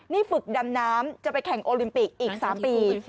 นี่ฝึกดำน้ำจะไปแข่งโอลิมปิกอีก๓ปี